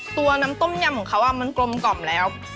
ตัวน้ำต้มยำของเขามันกลมกล่อมแล้ว